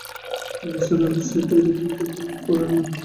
নিসার আলি সাহেব এ রকম কখনো করেন না।